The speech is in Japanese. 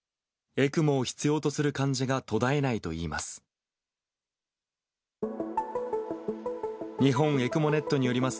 ＥＣＭＯを必要とする患者が途絶えないといいます。